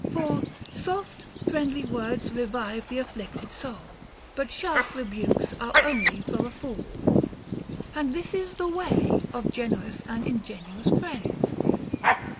For Soft, friendly words revive th' afflicted soul ; But sharp rebukes are only for a fool. And this is the way of generous and ingenuous friends.